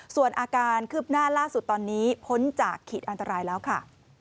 ส่วนอาการคืบหน้าล่าสุดตอนนี้พ้นจากขีดอันตรายแล้วค่ะ